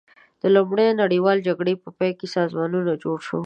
د لومړۍ نړیوالې جګړې په پای کې سازمان جوړ شو.